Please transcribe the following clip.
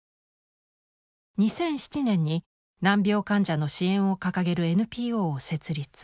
２００７年に難病患者の支援を掲げるＮＰＯを設立。